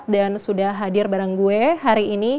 dan sudah hadir bareng gue hari ini